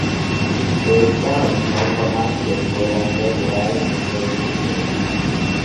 De esta original forma se fue dando lugar el nombre de Cervera.